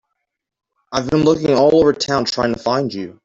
I've been looking all over town trying to find you.